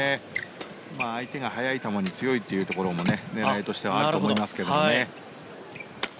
相手が速い球に強いというところも狙いとしてはあると思いますけどね。